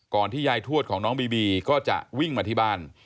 ที่ยายทวดของน้องบีบีก็จะวิ่งมาที่บ้าน